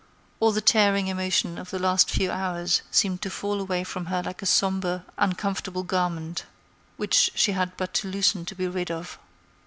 All the tearing emotion of the last few hours seemed to fall away from her like a somber, uncomfortable garment, which she had but to loosen to be rid of.